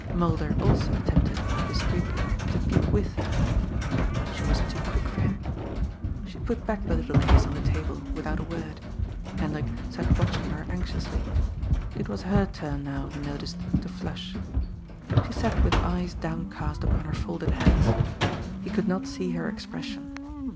Mulder also attempted, discreetly, to peep with her. But she was too quick for him. * A legal f uuctionary. DOOMED. 367 She put back the little case on the table without a word. Hendrik sat watching her anxiously. It was her turn now, he noticed, to flush. She sat with eyes downcast upon her folded hands. He could not see her expression.